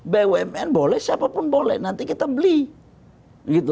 bumn boleh siapapun boleh nanti kita beli